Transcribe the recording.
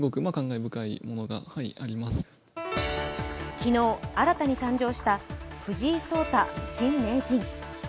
昨日、新たに誕生した藤井聡太新名人。